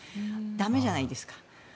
駄目じゃないですか。